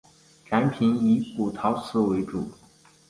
展品以古陶瓷为主。